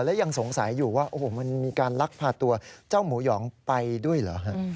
และยังสงสัยอยู่ว่าโอ้โหมันมีการลักพาตัวเจ้าหมูหยองไปด้วยเหรอฮะ